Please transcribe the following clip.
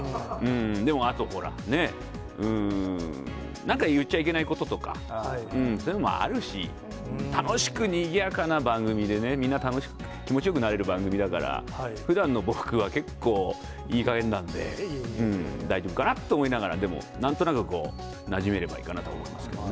でもあとほらね、うーん、なんか言っちゃいけないこととか、そういうのもあるし、楽しくにぎやかな番組でね、みんな楽しく、気持ちよくなれる番組だから、ふだんの僕は結構、いいかげんなんで、大丈夫かなと思いながら、でも、なんとなくこう、なじめればいいかなと思いますけれどもね。